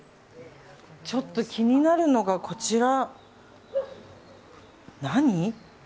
ちょっと気になるのがこちら。